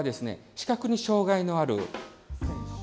視覚に障がいのある。